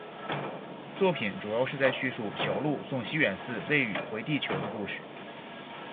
作品主要是在叙述小路送西远寺未宇回地球的故事。